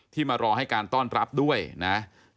มารอให้การต้อนรับด้วยนะ